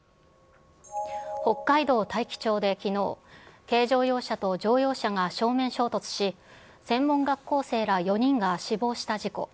北海道大樹町できのう、軽乗用車と乗用車が正面衝突し、専門学校生ら４人が死亡した事故。